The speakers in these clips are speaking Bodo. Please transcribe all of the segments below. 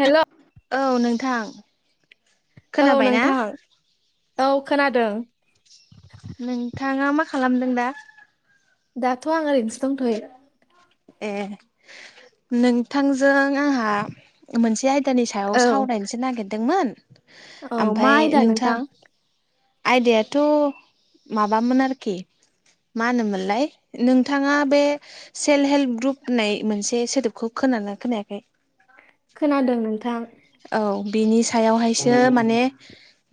हेल औ नोंथां औ खोनाबाय ना नोंथां औ खोनादों। नोंथाङा मा खालामदों दा? दाथ' आं ओरैनोसो दंथ'यो। ए नोंथांजों आंहा मोनसे आइ दानि सायाव औ सावरायनोसो नागिरदोंमोन औ मा ओमफ्राय आयदा नोंथां आयदायाथ' माबामोन आरोखि मा होनोमोनलाय नोंथाङा बे सेल्फ हेल्प ग्रुप होननाय मोनसे सोदोबखौ खोना खोनायाखै खोनादों नोंथां। औ बिनि सायावहायसो माने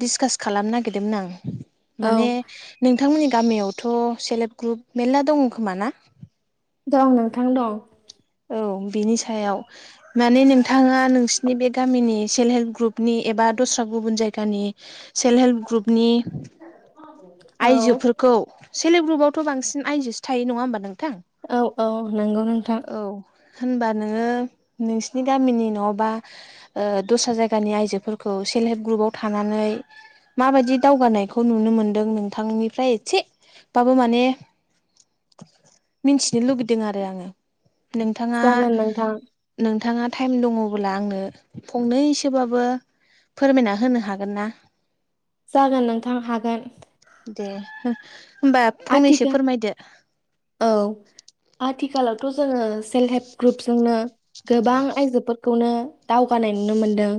डिसकास खालामनो नागिरदोंमोन आं औ माने नोंथांमोननि गामियावथ' सेल्फ हेल्प ग्रुप मेर्ला दङ खोमा ना? दं नोंथां दं। औ बिनि सायाव माने नोंथाङा नोंसिनि बे गामिनि सेल्फ हेल्प ग्रुपनि एबा दस्रा गुबुन जायगानि सेल्फ हेल्प ग्रुपनि औ आइजो खौ सेल्प हेल्प ग्रुपावथ' बांसिन आइजोसो थायो नङा ओमबा नोंथां? औ औ नंगौ नोंथां। औ होनबा नोङो नोंसिनि गामिनि न'बा दस्रा जायगानि आइजोफोरखौ सेल्फ हेल्प ग्रुपाव थानानै माबायदि दावगानायखौ नुनो मोनदों नोंथांनिफ्राय एसे बाबो माने मिथिनो लुबैदों आरो आङो नोंथाङा जागोन नोंथां नोंथाङा टाइम दङबोब्ला आंनो फंनैसोबाबो फोरमायना होनो हागोन ना? जागोन नोंथां हागोन दे होमबा आ फंनैसो थिक फोरमायदो औ आथिखालावथ' जोङो सेल्फ हेल्प ग्रुपजोंनो गोबां आइजोफोरखौनो दावगानाय नुनो मोनदों।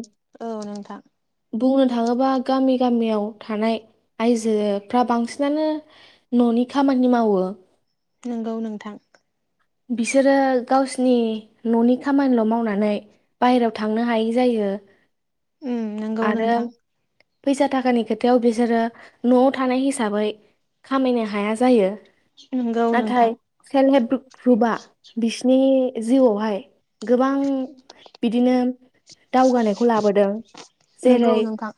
औ नोंथां। बुंनो थाङोबा गामि गामियाव थानाय आइजोफ्रा बांसिनानो न'नि खामानि मावो नोंगौ नोंथां। बिसोरो गावसिनि न'नि खामानिल' मावनानै बायेरायाव थांनो हायै जायो। उम नंगौ आरो नोंथां फैसा थाखानि खोथायाव बिसोरो न'आव थानाय हिसाबै खामायनो हाया जायो। नंगौ नोंथां नाथाय सेल्फ हेल्प ग्रुपआ बिसिनि जिउआवहाय गोबां बिदिनो दावगानायखौ लाबोदों। नंगौ जेरै नोंथां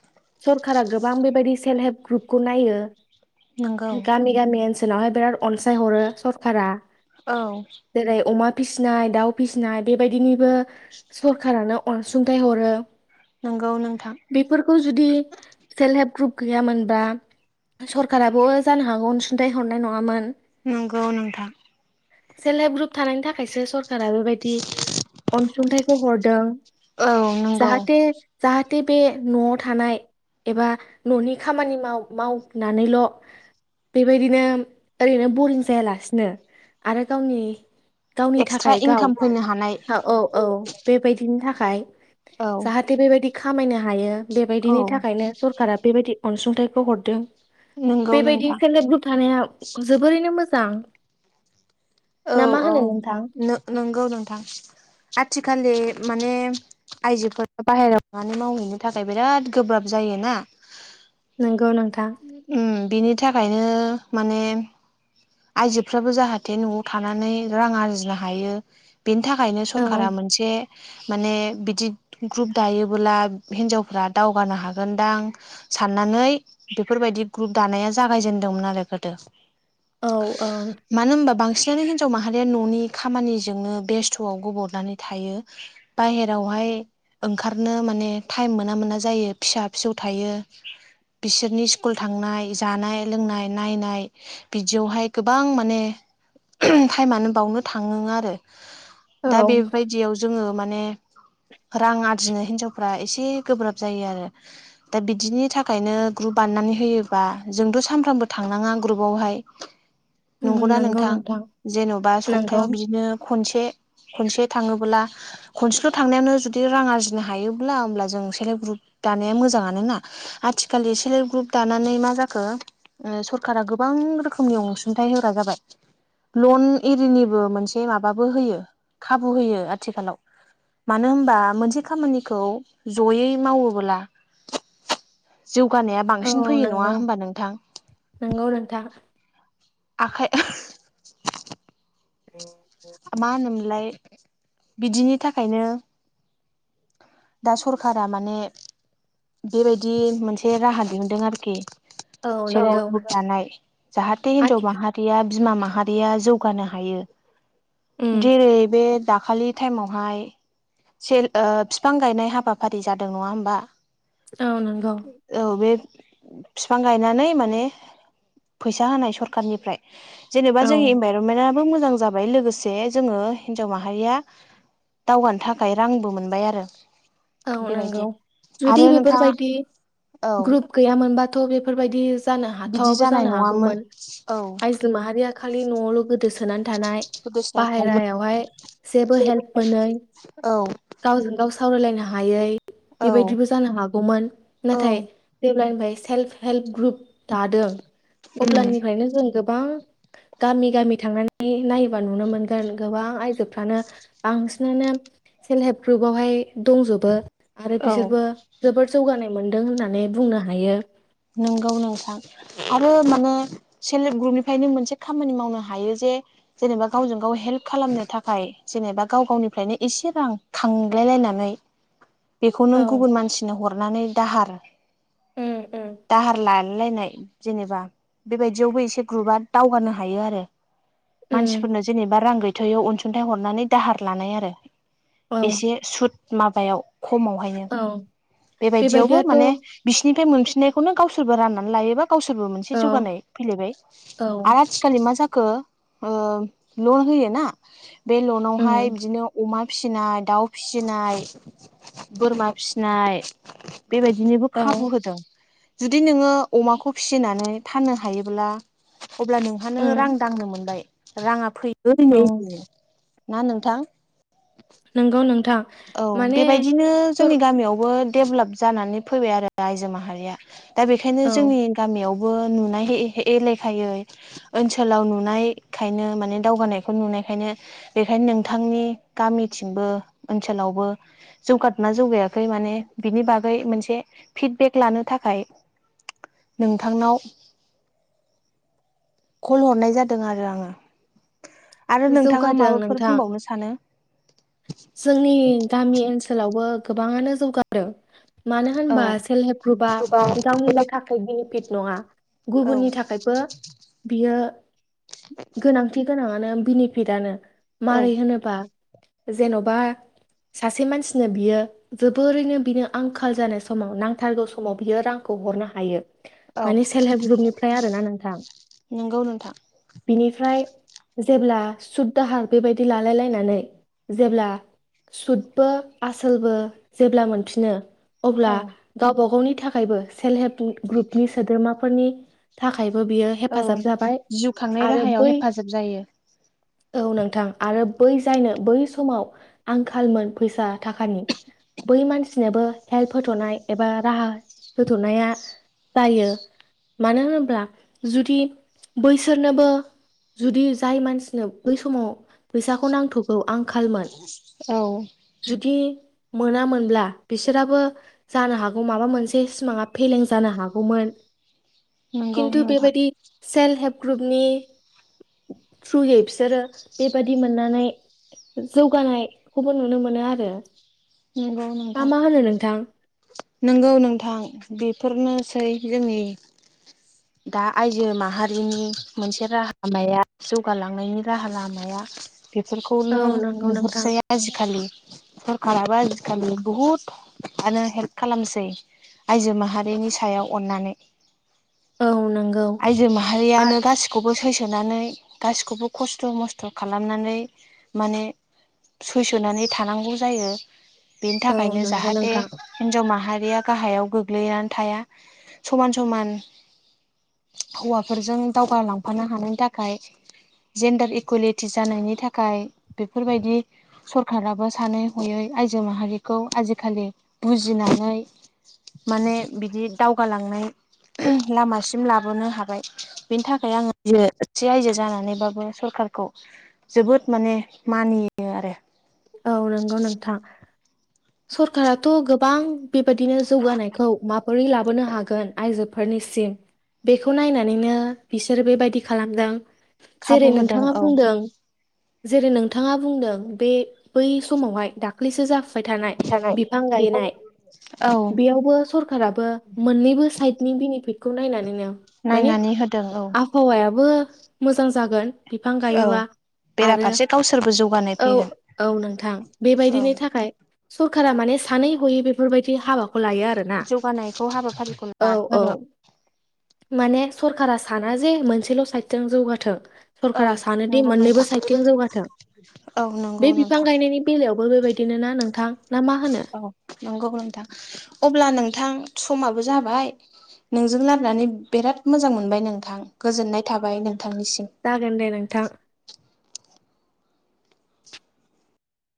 सरखारा गोबां बेबायदि सेल्फ हेल्प ग्रुपखौ नायो। नंगौ गामि गामि ओनसोलावहाय बिराद अनसायहरो सरखारा औ जेरै अमा फिसिनाय दाउ फिसिनाय बेबायदिनिबो सरखारानो अनसुंथाइ हरो। नोंगौ नोंथां। बेफोरखौ जुदि सेल्फ हेल्प ग्रुप गैयामोनबा सरखाराबो जानो हागौ अनसुंथाय हरनाय नङामोन। नंगौ नोंथां। सेल्प हेल्प ग्रुप थानायनि थाखायसो सर खारा बेबायदि अनसुंथाइखौ हरदों औ नंगौ जाहाते जाहाते बे न'आव थानाय एबा न'नि खामानि माव-मावनानैल' बेबायदिनो ओरैनो बरिं जायालासिनो आरो गावनि गावनि एक्सट्रा थाखाय गाव इनकाम फैनो हानाय औ औ बेबायदिनि थाखाय औ जाहाथे बेबायदि खामायनो हायो औ बेबायदिनि थाखायनो सरकारा बेबायदि अनसुंथाइखौ हरदों नंगौ बेबायदि नोंथां सेल्प हेल्प ग्रुप थानाया जोबोरैनो मोजां। औ ना मा औ होनो नोंथां? नो नोंगौ नोंथां आथिखालनि माने आइजोफोरा बाहेरायाव थांनानै मावहैनो थाखाय बिराद गोब्राब जायोना। नोंगौ नोंथां। ओम बिनि थाखायनो माने आयजोफ्राबो जाहाथे न'आव थानानै रां आरजिनो हायो बेनि थाखायनो औ सरखारा मोनसे माने बिदि ग्रुप दायोबोला हिनजावफ्रा दावगानो हागोनदां साननानै बेफोरबायदि ग्रुप दानाया जागायजेनदोंमोन आरो गोदो। औ औ मानो होनबा बांसिनानो हिन्जाव माहारिया न'नि खामानिजोंनो बेस्थ'आव गब'नानै थायो। बाहेरावहाय ओंखारनो माने टाइम मोना मोना जायो फिसा फिसौ थायो। बिसोरनि स्कुल थांनाय जानाय लोंनाय नायनाय बिदियावहाय गोबां माने टाइमानो बावनो थाङो आरो औ दा बेबायदियाव जोङो माने रां आरजिनो हिनजावफ्रा एसे गोब्राब जायो आरो। दा बिदिनि थाखायनो ग्रुप बाननानै होयोबा जोंथ' सानफ्रामबो थांनाङा ग्रुपावहाय उम नोंगौ नोंथां। जेन'बा नंगौ सप्तायाव बिदिनो खनसे खनसे थाङोब्ला खनसेल' थांनायावानो जुदि रां आरजिनो हायोब्ला होमब्ला जों सेल्प हेल्प ग्रुप दानाया मोजांआनोना। आथिखाललि सेल्फ हेल्प ग्रुप दानानै मा जाखो ओ सरकारा गोबां रोखोमनि अनसुंथाइ होग्रा जाबाय। लन एरिनिबो मोनसे माबाबो होयो खाबु होयो आथिखालाव। मानो होनबा मोनसे खामानिखौ जयै मावोबोला जौगानाया औ बांसिन फैयो नङा नोंगौ, होमबा नोंथां नोंगौ नोंथां। आखाइ औ मा होनोमोनलाय बिदिनि थाखायनो दा सरखारा माने बेबायदि मोनसे राहा दिहुनदों आरोखि। औ नंगौ [unintelligible] जानाय जाहाथे हिनजाव आथिखाल माहारि या बिमा माहारिया जौगानो हायो। उम जेरै बे दाखालि टाइमावहाय सेर ओ फिफां गायनाय हाबाफारि जादों नङा होमबा? औ नंगौ। औ बे फिफां गायनानै माने फैसा हानाय सरखारनिफ्राय जेनेबा औ जोंनि इनभाइरमेन्टआबो मोजां जाबाय लोगोसे जे जोङो हिनजाव माहारिया दावगानो थाखाय रांबो मोनबाय आरो। औ नंगौ बेबायदि जुदि आरो नोंथाङा बेफोरबायदि औ ग्रुप गैयामोनबाथ' बेफोरबायदि जानो बिदि हाथावाबो जानाय जानो नङामोन हागौमोन औ आ जों माहारिया खालि न'आवल' गोदोसो सोनानै थानाय गोदोसोनानै थायोमोन बाहेरायावहाय जेबो हेल्प मोनै औ गावजों गाव सावरायलायनो हायै औ बेबायदिबो जानो हागौमोन औ नाथाय जेब्लानिफ्राय सेल्फ हेल्प ग्रुप दादो अब्लानिफ्रायनो जों गोबां गामि गामि थांनानै नायोबा नुनो मोनगोन गोबां आयजोफ्रानो बांसिनानो सेल्फ हेल्प ग्रुपवहाय दंजोबो आरो औ बिसोरबो जोबोद जौगानाय मोनदों होननानै बुंनो हायो। नंगौ नोंथां। आरो माने सेल्फ हेल्प ग्रुपनिफ्रायनो मोनसे खामानि मावनो हायो जे जेनेबा गावजों गाव हेल्प खालामनो थाखाय जेनेबा गाव गावनिफ्रायनो एसे रां खांलायलायनानै बेखौ नों औ गुबुन मानसिनो हरनानै दाहार उम उम। दाहार लालायलायनाय जेनेबा बेबायदियावबो एसे ग्रुपा दावगानो हायो आरो। उम मानसिफोरनो जेनेबा रां गैथयियाव अनसुंथाइ हरनानै दाहार लानाय आरो। औ एसे सुद माबायाव खमावहायनो औ बेबायदियावबो बेबायदियाथ' माने बिसिरनिफ्राय मोनफिननायखौनो गावसोरबो राननानै लायोबा गावसोरबो मोनसे औ जौगानाय फैलायबाय औ आ थिखालि मा जाखो ओ लन होयोना बे लनावहाय उम बिदिनो अमा फिसिनाय दाउ फिसिनाय बोरमा फिसिनाय बेबायदिनोबो औ खाबु होदों जुदि नोङो अमाखौ फिसिनानै फाननो हायोब्ला अब्ला नोंहानो रां उम दांनो मोनबाय राङा फैबो दिनै औ ना नोंथां? नोंगौ नोंथां। औ माने बेबायदिनो थर जोंनि गामियावबो डेभलाप जानानै फैबाय आरो आइजो माहारिया। दा बेखायनो औ जोंनि गामियावबो नुनायहै एलेखायै ओनसोलाव नुनायखायनो माने दावगानायखौ नुनायखायनो बेखायनो नोंथांनि गामिथिंबो ओनसोलावबो जौगादोंना जौगायाखै माने बिनि बागै मोनसे फिडबेक लानो थाखाय नोंथांनाव कल हरनाय जादों आरो आङो आरो नोंथाङा जौगादों माबाफोर नोंथां बुंबावनो सानो जोंनि गामि ओनसोलावबो गोबाङानो जौगानाय आरो मानो औ होनबा सेल्फ हेल्प ग्रुपआ गोबां गावनिल' थाखाय बेनिफिट नङा औ गुबुननि थाखायबो बियो गोनांथि गोनाङानो बेनिफिटआनो औ मारै होनोबा जेन'बा सासे मानसिनो बियो जोबोरैनो बिनि आंखाल जानाय समाव नांथारगौ समाव बियो रांखौ हरनो हायो। औ माने सेल्फ हेल्प ग्रुपनिफ्राय आरोना नोंथां नंगौ नोंथां बिनिफ्राय जेब्ला सुद दाहार बेबायदि लालाय लायनानै जेब्ला सुतबो आसोलबो जेब्ला मोनफिनो अब्ला औ गावबा गावनि थाखायबो सेल्फ हेल्प ग्रुपनि सोद्रोमाफोरनि थाखायबो बियो हेफाजाब जाबाय आरो बै जोब जायो औ नोंथां आरो बै जायनो बै समाव आंखालमोन फैसा थाखानि बै मानसिनोबो हेल्प होथ'नाय एबा राहा होथ'नाया जायो मानो होनोब्ला जुदि बैसोरनोबो जुदि जाय मानसिनो बै समाव फैसाखौ नांथ'गौ आंखालमोन औ जुदि मोनामोनब्ला बिसोराबो जानो हागौ माबा मोनसे सिमाङा फेलें जानो हागौमोन। नंगौ खिन्थु नोंथां बेबायदि सेल्फ हेल्प ग्रुपनि। थ्रुयै बिसोरो बेबायदि मोननानै जौगानायखौबो नुनो मोनो आरो नंगौ मा नोंथां। मा होनो नोंथां नंगौ नोंथां बेफोरनोसै जोंनि दा आइजो माहारिनि मोनसे राहालामाया जौगालांनायनि राहा लामाया औ बेफोरखौनो नंगौ नोंथां नुहुरसै आजिखालि सरखारा माम [unintelligible] बुहुतानो हेल्प खालामसै आइजो माहारिनि सायाव अननानै औ नंगौ आइजो माहारियानो आरो गासैबो खौबो सैसोनानै गासिखौबो खस्थ' मस्थ' खालामनानै माने सैसोनानै थानांगौ जायो बेनि औ थाखायनो नंगौ जाहाथे नोंथां हिनजाव माहारिया गाहायाव गोग्लैनानै थाया समान समान हौवाफोरजों दावगालांफानो हानायनि थाखाय जेन्डार इकुवेलिटि जानायनि थाखाय बेफोरबायदि सरखाराबो सानै हयै आयजो माहारिखौ आजिखालि बुजिनानै माने बिदि दावगालांनाय लामासिम लाबोनो हाबाय। बेनि थाखाय आङो एसे आइजो जानानैबाबो सरखारखौ जोबोद माने मानियो आरो। औ नंगौ नोंथां। सरखाराथ' गोबां बेबायदिनो जौगानायखौ माबोरै लाबोनो हागोन आइजोफोरनिसिम बेखौ नायनानैनो बिसोरो बेबायदि खालामदों। खाबु जेरै होदों नोंथाङा औ बुंदों जेरै नोंथाङा बुंदों बे बै समावहाय दाख्लैसो जाफुबाय थानाय बिफां गायनाय औ बेयावबो सर राबो मोननैबो साइडनि बेनिफिटखौ नायनानैनो माने नायनानै होदों औ हौवायाबो मोजां जागोन बिफां औ गायोबा। आरो बेराफारसे गावसोरबो जौगानाय औ फैगोन औ नोंथां औ बेबायदिनि थाखाय सरकारा माने सानै हयै बेफोरबायदि हाबाखौ खौ लायो आरोना जौगानायखौ हाबाफारिखौ औ लादों औ। आरो माने सरकारा साना जे मोनसेल' साइदजों जौगाथों औ सरकारा सानो दि नंगौ मोननैबो नोंथां साइडथिं जौगाथों औ बे नंगौ बिफां नोंथां गायनायनि बेलायावबो बेबायदिनो ना नोंथां? ना मा होनो औ नंगौ नोंथां अब्ला नोंथां समाबो जाबाय नोंजों नारनानै बिराद मोजां मोनबाय नोंथां गोजोननाय थाबाय नोंथांनिसिम। जागोन दे नोंथां।